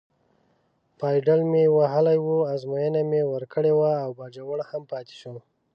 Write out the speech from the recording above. پایډل مې وهلی و، ازموینه مې ورکړې وه او باجوړ هم پاتې شو.